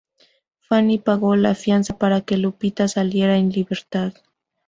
Fanny pagó la fianza para que Lupita saliera en libertad.